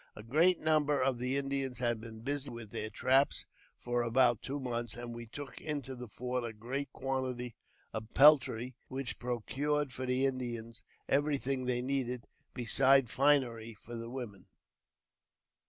A great number of the Indians had been busy with their traps for about two months, and we took into the fort a great quantity of peltry, which procured for the Indians every thing they needed, besides finery for the women.